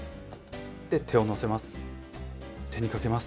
で手をのせます。